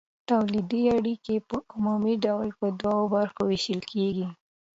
تولیدي اړیکې په عمومي ډول په دوو برخو ویشل کیږي.